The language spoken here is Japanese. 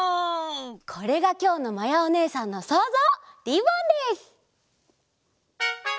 これがきょうのまやおねえさんのそうぞう「リボン」です。